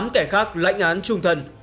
tám kẻ khác lãnh án trung thân